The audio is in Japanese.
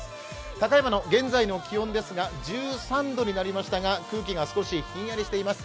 高山の現在の気温ですが、１３度になりましたが、空気が少しひんやりしています。